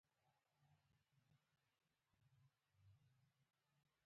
کاکړ د شریعت پابند دي.